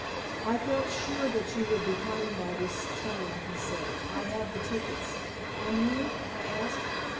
"I felt sure that you would be coming by this train," he said. "I have the tickets." "And you?" I asked.